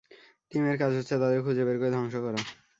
টিমের কাজ হচ্ছে তাদের খুঁজে বের করে ধ্বংস করা।